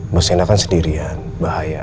mbak siena kan sendirian bahaya